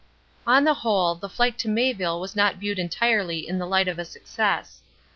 On the whole, the flight to Mayville was not viewed entirely in the light of a success.